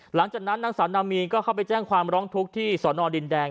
หลังจากนั้นนางสาวนามีนก็เข้าไปแจ้งความร้องทุกข์ที่สอนอดินแดง